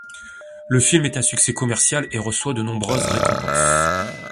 Le film est un succès commercial et reçoit de nombreuses récompenses.